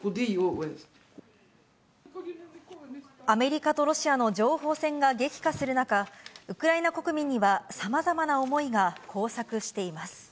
アメリカとロシアの情報戦が激化する中、ウクライナ国民にはさまざまな思いが交錯しています。